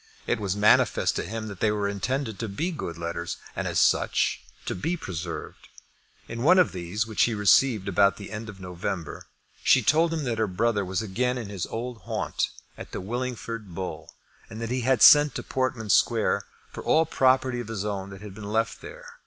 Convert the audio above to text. It was manifest to him that they were intended to be good letters, and, as such, to be preserved. In one of these, which he received about the end of November, she told him that her brother was again in his old haunt, at the Willingford Bull, and that he had sent to Portman Square for all property of his own that had been left there.